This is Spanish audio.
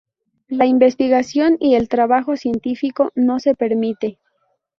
La investigación y el trabajo científico no se permite.